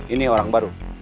ini orang baru